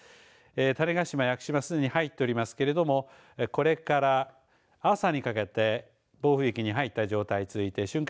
種子島、屋久島すでに入っておりますけれどもこれから朝にかけて暴風域に入った状態続いて瞬間